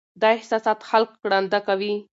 دا احساسات خلک ړانده کوي.